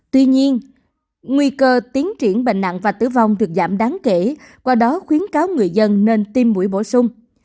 tuy nhiên nguy cơ tiến triển bệnh nặng và tử vong được giảm đáng kể qua đó khuyến cáo người dân nên tiêm mũi bổ sung